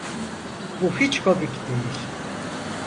Bu hiç komik değil!